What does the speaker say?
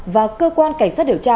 và cơ quan cảnh sát điều tra